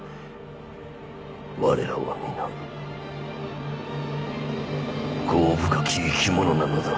我らは皆業深き生き物なのだ。